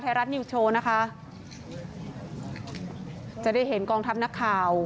รัฐนิวส์โชว์นะคะจะได้เห็นกองทัพนักข่าว